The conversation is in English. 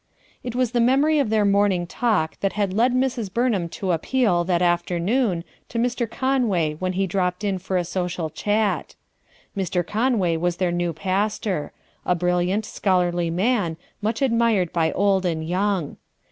It was the memory of their morning talk that had led Mrs. Burnham to appeal, that afternoon, to Mr. Conway when he dropped in for a social eliat Mr. Conway was their new pastor; a brilliant, scholarly man, much admired by old and young.